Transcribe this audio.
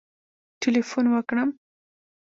ټلېفون وکړم